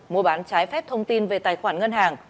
mua bán trái phép thông tin về tài khoản ngân hàng